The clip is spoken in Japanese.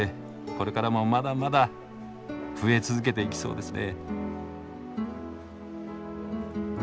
これからもまだまだ増え続けていきそうですね。